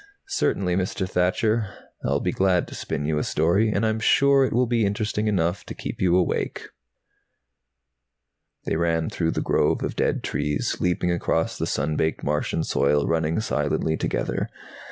"Certainly, Mr. Thacher. I'll be glad to spin you a story. And I'm sure it will be interesting enough to keep you awake." They ran through the groves of dead trees, leaping across the sun baked Martian soil, running silently together.